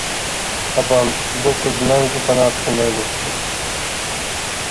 ئاپام «بۇ قىز مەڭگۈ قانائەت قىلمايدۇ» دەيتتى.